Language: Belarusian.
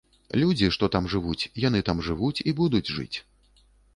Людзі, што там жывуць, яны там жывуць і будуць жыць.